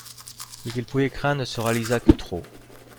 Ce qu’il pouvait craindre ne se réalisa que trop.